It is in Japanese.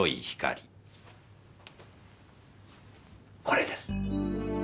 これです。